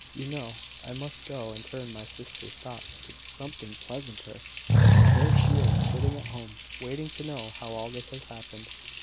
"You know I must go and turn my sister's thoughts to something pleasanter. There she is, sitting at home, waiting to know how all this has happened."